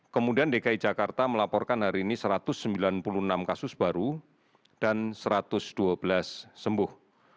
kemudian dki jakarta melaporkan hari ini satu ratus sembilan puluh enam kasus baru dan satu ratus dua belas sembuh